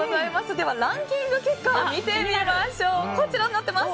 ではランキング結果見てみましょう。